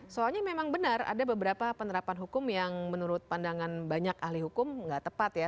soalnya memang benar ada beberapa penerapan hukum yang menurut pandangan banyak ahli hukum nggak tepat ya